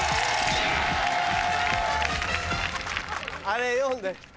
あれ読んで。